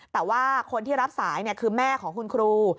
แต่ว่าคนที่รับสายคือแม่ของคุณครู